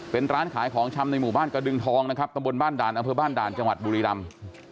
เป็นร้านขายของชำในหมู่บ้านกระดึงทองนะครับตำบลบ้านด่านอำเภอบ้านด่านจังหวัดบุรีรำ